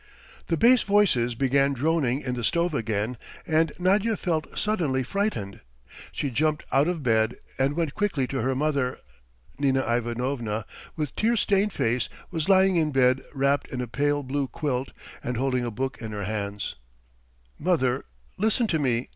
The bass voices began droning in the stove again, and Nadya felt suddenly frightened. She jumped out of bed and went quickly to her mother. Nina Ivanovna, with tear stained face, was lying in bed wrapped in a pale blue quilt and holding a book in her hands. "Mother, listen to me!"